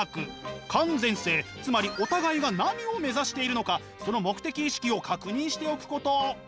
完全性つまりお互いが何を目指しているのかその目的意識を確認しておくこと。